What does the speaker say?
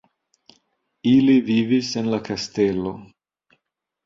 Ili vivis en la kastelo.